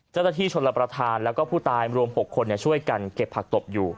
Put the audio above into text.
เจ้าตะที่ชนระประทานแล้วก็ผู้ตายรวมหกคนเนี้ยช่วยกันเก็บผลักตบอยู่